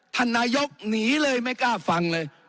ท่านนายกหนีเลยไม่กล้าฟังเลย